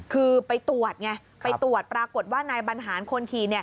คือไปตรวจไงไปตรวจปรากฏว่านายบรรหารคนขี่